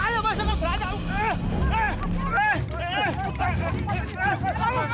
ayo masuklah ke belakang